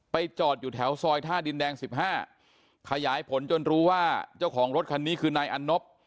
จอดอยู่แถวซอยท่าดินแดง๑๕ขยายผลจนรู้ว่าเจ้าของรถคันนี้คือนายอันนบ